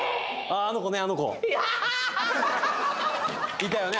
いたよね